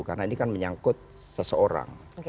karena ini kan menyangkut seseorang